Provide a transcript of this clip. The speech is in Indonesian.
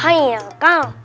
hah iya kak